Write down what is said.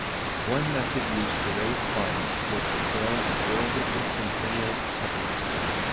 One method used to raise funds was the sale of Oregon Centennial Tokens.